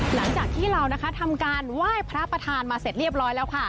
หลังจากที่เราทำการไหว้พระประธานมาเสร็จเรียบร้อยแล้วค่ะ